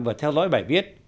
vừa theo dõi bài viết